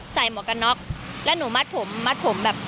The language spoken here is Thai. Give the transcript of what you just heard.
หมวกกันน็อกแล้วหนูมัดผมมัดผมแบบ